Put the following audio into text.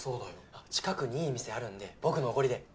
近くにいい店あるんで僕のおごりで。